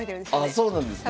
そうなんですね。